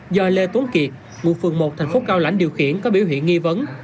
do lê tuấn kiệt ngụ phường một thành phố cao lãnh điều khiển có biểu hiện nghi vấn